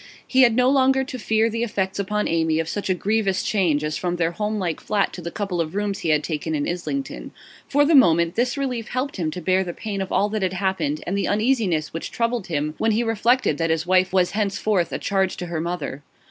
He had no longer to fear the effects upon Amy of such a grievous change as from their homelike flat to the couple of rooms he had taken in Islington; for the moment, this relief helped him to bear the pain of all that had happened and the uneasiness which troubled him when he reflected that his wife was henceforth a charge to her mother.